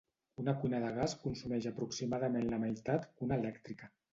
Una cuina de gas consumeix aproximadament la meitat que una elèctrica.